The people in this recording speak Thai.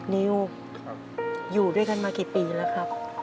นิวอยู่ด้วยกันมากี่ปีแล้วครับ